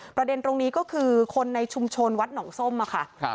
ประเด็นตรงนี้ก็คือคนในชุมชนวัดหนองส้มค่ะ